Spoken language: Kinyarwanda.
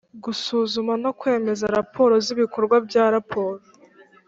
Gusuzuma no kwemeza raporo z ibikorwa bya raporo